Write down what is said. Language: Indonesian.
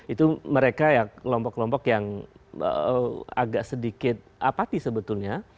itu mereka ya kelompok kelompok yang agak sedikit apatis sebetulnya